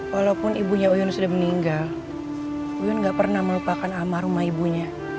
walaupun ibunya uyun sudah meninggal uyun gak pernah melupakan amat rumah ibunya